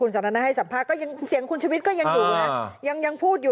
สุโกย